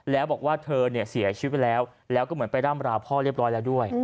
แล้วบอกว่าเธอเนี่ยเสียชีวิตไปแล้วแล้วก็เหมือนไปร่ำราวพ่อเรียบร้อยแล้วด้วย